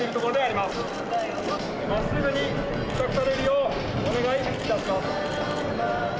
まっすぐに帰宅されるようお願いいたします。